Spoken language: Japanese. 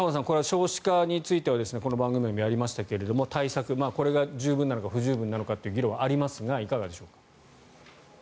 少子化についてはこの番組でもやりましたが対策、これが十分なのか不十分なのかという議論はありますがいかがでしょうか。